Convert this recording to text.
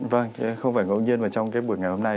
vâng không phải ngẫu nhiên mà trong cái buổi ngày hôm nay